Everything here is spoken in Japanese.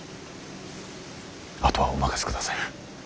あとはお任せください。